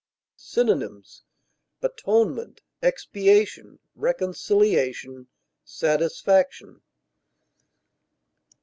Synonyms: atonement, expiation, reconciliation, satisfaction.